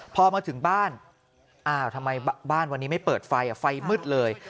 พอมาถึงบ้านอ้าวทำไมบ้านวันนี้ไม่เปิดไฟไฟมืดเลย